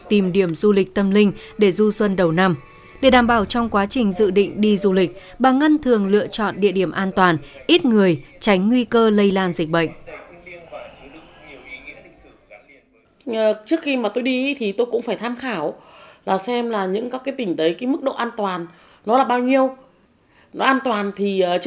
trong quá trình dự định đi du lịch bà ngân thường lựa chọn địa điểm an toàn ít người tránh nguy cơ lây lan dịch bệnh